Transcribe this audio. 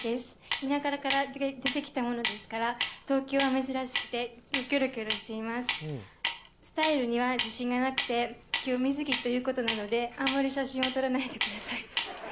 田舎から出てきたものですから東京は珍しくていつもキョロキョロしていますスタイルには自信がなくて今日水着ということなのであまり写真を撮らないでください